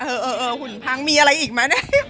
เออเหรอเหมือนมีอะไรอีกละ